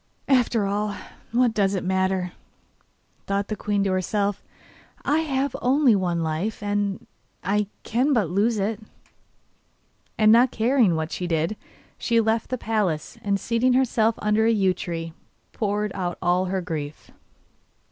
'After all, what does it matter?' thought the queen to herself, 'I have only one life, and I can but lose it.' And not caring what she did, she left the palace and seating herself under a yew tree, poured out all her grief.